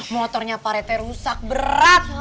motornya pak rete rusak berat